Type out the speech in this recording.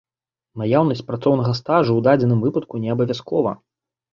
Наяўнасць працоўнага стажу ў дадзеным выпадку неабавязкова.